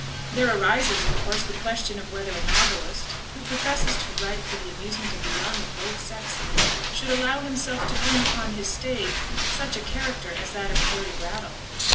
There arises, of course, the question whether a novelist, who professes to write for the amusement of the young of both sexes, should allow himself to bring upon his stage such a character as that of Carry Brattle?